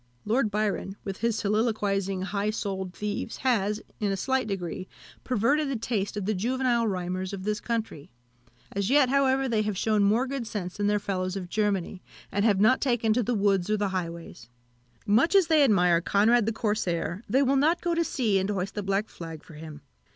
Lord Byron, with his soliloquising, high souled thieves, has, in a slight degree, perverted the taste of the juvenile rhymers of his country. As yet, however, they have shewn more good sense than their fellows of Germany, and have not taken to the woods or the highways. Much as they admire Conrad the Corsair, they will not go to sea, and hoist the black flag for him.